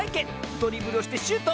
ドリブルをしてシュート！